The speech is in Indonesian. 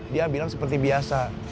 dia bilang seperti biasa